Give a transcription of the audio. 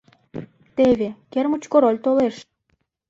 Теве, кермыч король толеш!